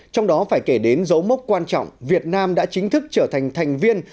trong đó phải kể đến dấu mốc quan trọng việt nam đã chính thức trở thành thành viên